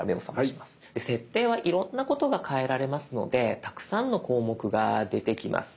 で設定はいろんなことが変えられますのでたくさんの項目が出てきます。